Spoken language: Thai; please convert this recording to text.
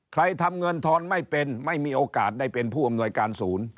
ทำเงินทอนไม่เป็นไม่มีโอกาสได้เป็นผู้อำนวยการศูนย์